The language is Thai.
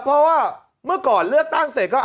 เพราะว่าเมื่อก่อนเลือกตั้งเสร็จก็